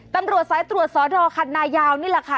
ตำรวจสายตรวจสอนอคันนายาวนี่แหละค่ะ